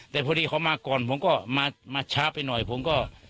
แต่พอดีเขามาก่อนผมก็มาช้าไปหน่อยผมก็